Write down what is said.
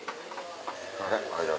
すいません。